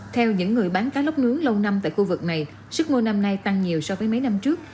theo những người bán cá lóc nướng lâu năm tại khu vực này sức mua năm nay tăng nhiều so với mấy năm trước